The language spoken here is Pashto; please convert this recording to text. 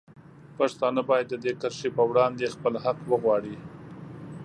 پښتانه باید د دې کرښې په وړاندې خپل حق وغواړي.